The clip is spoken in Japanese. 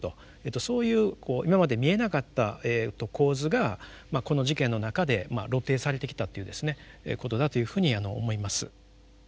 そういうこう今まで見えなかった構図がこの事件の中で露呈されてきたっていうですねことだというふうに思います。